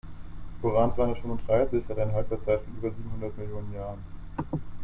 Uran-zweihundertfünfunddreißig hat eine Halbwertszeit von über siebenhundert Millionen Jahren.